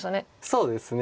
そうですね。